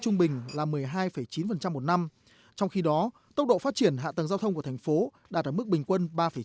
trung bình là một mươi hai chín một năm trong khi đó tốc độ phát triển hạ tầng giao thông của thành phố đạt ở mức bình quân ba chín